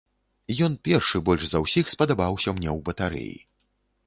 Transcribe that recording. Ён першы больш за ўсіх спадабаўся мне ў батарэі.